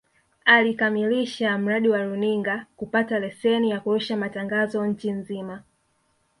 Alikamilisha mradi wa runinga kupata leseni ya kurusha matangazo nchi nzima